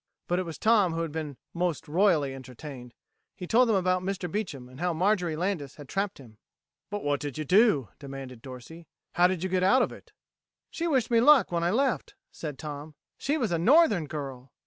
But it was Tom who had been most royally entertained. He told them about Mr. Beecham, and how Marjorie Landis had trapped him. "But what did you do?" demanded Dorsey. "How did you get out of it?" "She wished me luck when I left," said Tom. "She was a Northern girl."